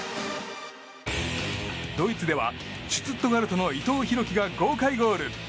ドイツではシュツットガルトの伊藤洋輝が豪快ゴール。